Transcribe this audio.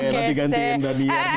nanti gantiin daniar disini